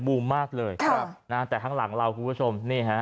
บูมมากเลยครับนะฮะแต่ข้างหลังเราคุณผู้ชมนี่ฮะ